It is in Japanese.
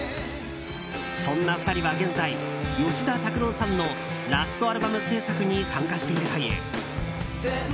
そんな２人は現在、吉田拓郎さんのラストアルバム制作に参加しているという。